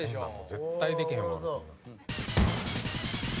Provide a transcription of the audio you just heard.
絶対できへんわ。